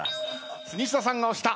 西田さんが押した！